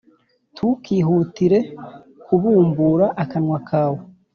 Ntukihutire kubumbura akanwa kawe